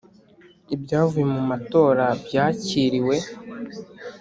Ibyavuye mu matora byakiriwe